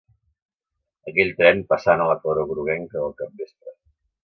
Aquell tren passant a la claror groguenca del capvespre